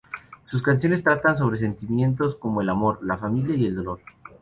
Sus canciones tratan sobre sentimientos como el amor, la familia y el dolor.